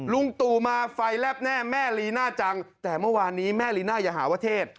ลุงตู่มาไฟแลบแน่แม่ลีน่าจังแต่เมื่อวานนี้แม่ลีน่าอย่าหาว่าเทศ